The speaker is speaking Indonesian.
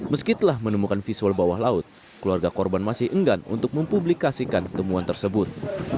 meski telah menemukan visual bawah laut keluarga korban masih enggan untuk mempublikasikan temuan tersebut